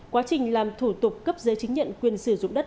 quá trình làm thủ tục cấp giấy chứng nhận quyền sử dụng đất